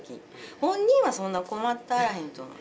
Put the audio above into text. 本人はそんな困ってあらへんと思う。